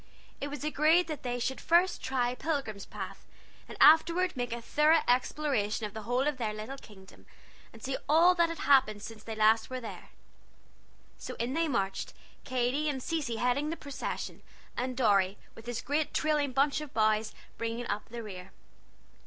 It was agreed that they should first try Pilgrim's Path, and afterward make a thorough exploration of the whole of their little kingdom, and see all that had happened since last they were there. So in they marched, Katy and Cecy heading the procession, and Dorry, with his great trailing bunch of boughs, bringing up the rear.